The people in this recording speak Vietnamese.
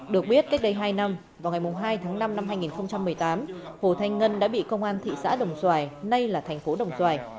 được biết kết đầy hai năm vào ngày hai tháng năm năm hai nghìn một mươi tám hồ thanh ngân đã bị công an thị xã đồng xoài nay là tp đồng xoài